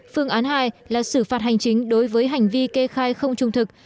phương án hai là xử phạt hành chính đối với hành vi kê khai không trung thực